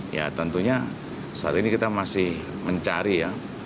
ya tentunya saat ini kita masih mencari ya